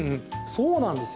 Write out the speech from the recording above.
そうなんです。